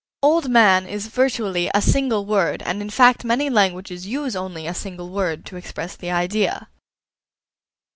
"Old man" is virtually a single word and in fact many languages use only a single word to express the idea.